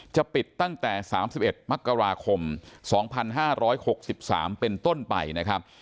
จะปิดตั้งแต่สามสิบเอ็ดมักกราคมสองพันห้าร้อยหกสิบสามเป็นต้นไปนะครับ